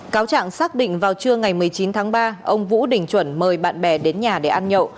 cáo trạng xác định vào trưa ngày một mươi chín tháng ba ông vũ đình chuẩn mời bạn bè đến nhà để ăn nhậu